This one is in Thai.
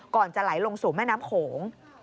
จะไหลลงสู่แม่น้ำโขง